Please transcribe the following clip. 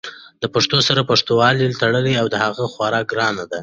د پښتو سره پښتنواله تړلې ده او هغه خورا ګرانه ده!